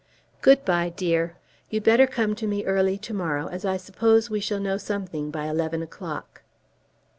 Good bye, dear. You'd better come to me early to morrow, as I suppose we shall know something by eleven o'clock."